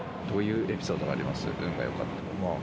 どういうエピソードあります？